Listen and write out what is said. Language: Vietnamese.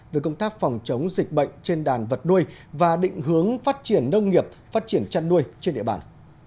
về công tác phòng chống dịch bệnh trên đàn vật nuôi và định hướng phát triển nông nghiệp phát triển chăn nuôi trên địa bàn